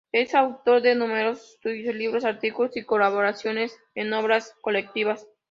Es autor de numerosos estudios, libros, artículos y colaboraciones en obras colectivas.